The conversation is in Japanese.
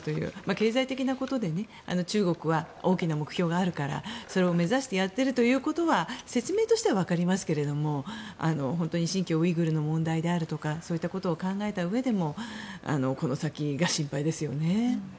経済的なことで中国は大きな目標があるからそれを目指してやっているということは説明としてはわかりますけれども本当に新疆ウイグルの問題であるとかそういうことを考えたうえでもこの先が心配ですよね。